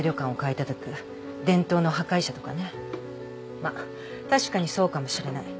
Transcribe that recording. まあ確かにそうかもしれない。